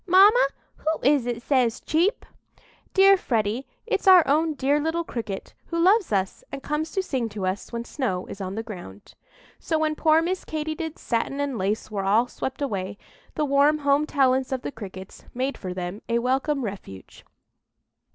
"Mamma, who is it says 'cheep'?" "Dear Freddy, it's our own dear little cricket, who loves us and comes to sing to us when the snow is on the ground." So when poor Miss Katy did's satin and lace were all swept away, the warm home talents of the Crickets made for them a welcome refuge.